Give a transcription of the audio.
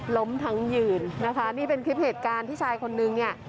ล้มทั้งยืนนะคะนี่เป็นคลิปเหตุการณ์ที่ชายคนนึงเนี่ย